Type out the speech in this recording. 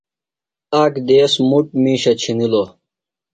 آک دیس مُٹ میشہ چِھنلوۡ۔